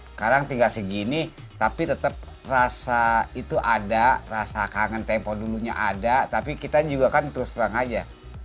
sekarang tinggal segini tapi tetap rasa itu ada rasa kangen tempo dulunya ada tapi kita juga kan terus terang aja